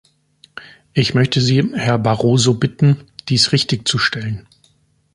Ich möchte Sie, Herr Barroso, bitten, dies richtigzustellen.